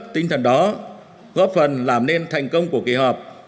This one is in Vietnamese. tinh thần đó góp phần làm nên thành công của kỳ họp